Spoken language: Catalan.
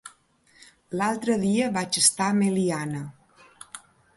L'altre dia vaig estar a Meliana.